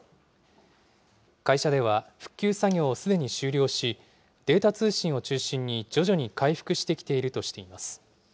会社では、復旧作業をすでに終了し、データ通信を中心に徐々に回復してきているとしています。